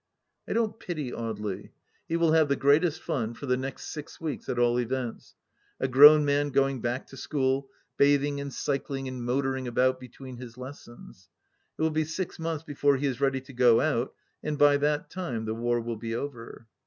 I don't pity Audely. He will have the greatest fim for the next six weeks at all events : a grown man going back to school, bathing and cycling and motoring about between his lessons. It will be six months before he is ready to go out, and by that time the war will be over.